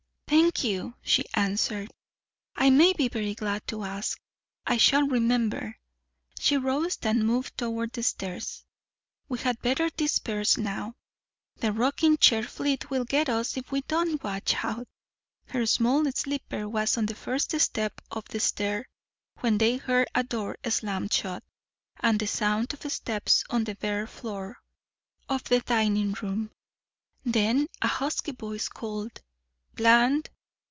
"Thank you," she answered. "I may be very glad to ask. I shall remember." She rose and moved toward the stairs. "We had better disperse now. The rocking chair fleet will get us if we don't watch out." Her small slipper was on the first step of the stair, when they heard a door slammed shut, and the sound of steps on the bare floor of the dining room. Then a husky voice called "Bland".